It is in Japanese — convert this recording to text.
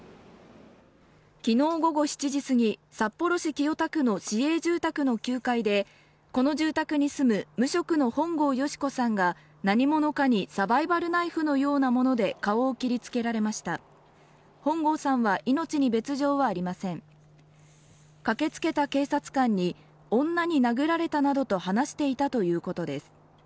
昨日午後７時過ぎ札幌市清田区の市営住宅の９階でこの住宅に住む無職の本郷淑子さんが何者かにサバイバルナイフのようなもので顔を切りつけられました本郷さんは命に別状はありません駆けつけた警察官に女に殴られたなどと話していたということです